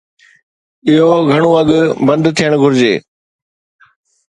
اهو گهڻو اڳ بند ٿيڻ گهرجي.